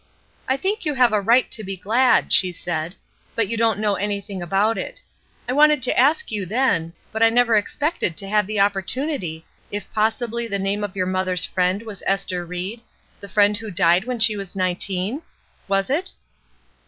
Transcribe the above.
"I think you have a right to be glad," she said. "But you don't know anything about .it. I wanted to ask you, then, but I never expected to have the opportunity, if possibly the name of your mother's friend was Ester Ried — the friend who died when she was nineteen? Was it?"